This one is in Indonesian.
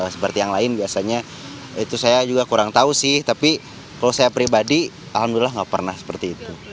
seperti yang lain biasanya itu saya juga kurang tahu sih tapi kalau saya pribadi alhamdulillah nggak pernah seperti itu